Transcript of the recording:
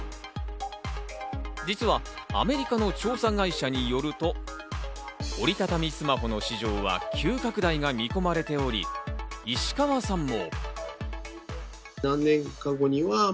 実はアメリカの調査会社によると、折りたたみスマホの市場は急拡大が見込まれており、石川さんも。